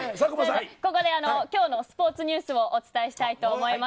ここで今日のスポーツニュースをお伝えしたいと思います。